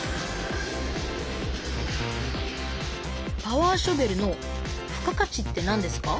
パワーショベルの付加価値ってなんですか？